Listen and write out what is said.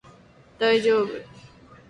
大丈夫